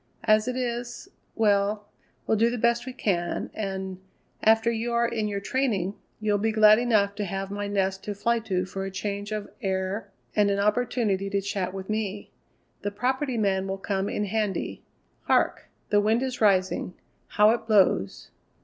As it is well, we'll do the best we can, and, after you are in your training, you'll be glad enough to have my nest to fly to for a change of air and an opportunity to chat with me. The Property Man will come in handy. Hark! the wind is rising. How it blows!"